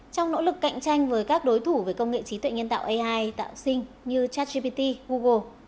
trong nỗ lực cạnh tranh với các đối thủ về công nghệ trí tuệ nhân tạo ai tạo sinh như chatgpt google